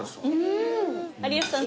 有吉さん